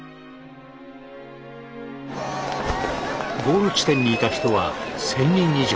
ゴール地点にいた人は１，０００人以上。